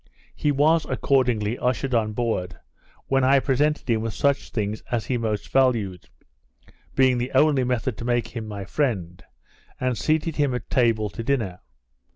He was, accordingly, ushered on board; when I presented him with such things as he most valued (being the only method to make him my friend,) and seated him at table to dinner.